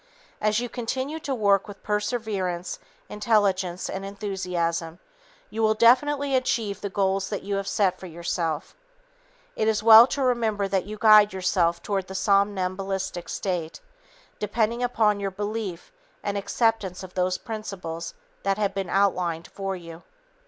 As you continue to work with perseverance, intelligence and enthusiasm, you will definitely achieve the goals that you have set for yourself. It is well to remember that you guide yourself toward the somnambulistic state, depending upon your belief and acceptance of those principles that have been outlined for you.